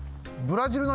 ブラジル？